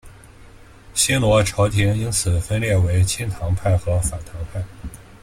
新罗朝延因此分裂为亲唐派和反唐派。